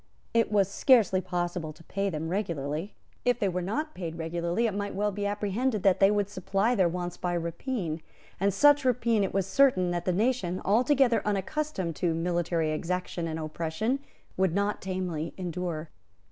It was scarcely possible to pay them regularly; if they were not paid regularly, it might well be apprehended that they would supply their wants by rapine; and such rapine it was certain that the nation, altogether unaccustomed to military exaction and oppression, would not tamely endure.